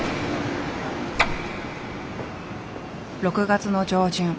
６月の上旬。